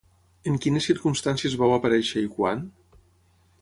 En quines circumstàncies vau aparèixer i quan?